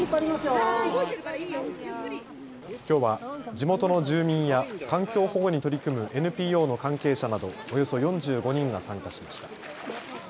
きょうは地元の住民や環境保護に取り組むＮＰＯの関係者などおよそ４５人が参加しました。